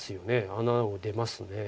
穴を出ます。